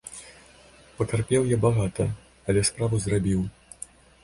Пакарпеў я багата, але справу зрабіў.